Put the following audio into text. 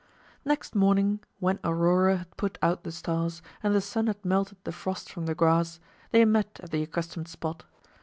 Next morning, when Aurora had put out the stars, and the sun had melted the frost from the grass, they met at the accustomed spot.